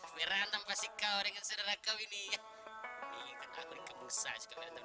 berantem pasti kau dengan saudara kau ini ya inginkan aku dikemuk saja